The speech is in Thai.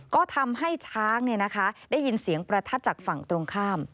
ก็ทำให้ช้างได้ยินเสียงประทัดจากฝั่งตรงข้าม